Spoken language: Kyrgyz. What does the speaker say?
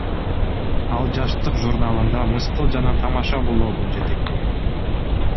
Ал Жаштык журналында мыскыл жана тамаша блогун жетектеген.